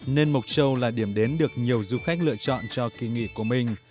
nên mộc châu là điểm đến được nhiều du khách lựa chọn cho kỳ nghỉ của mình